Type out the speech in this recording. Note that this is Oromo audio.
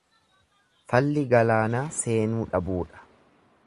Falli galaanaa seenuu dhabuudha.